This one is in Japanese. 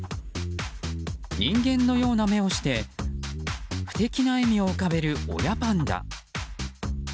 人間のような目をして不敵な笑みを浮かべる親パンダ。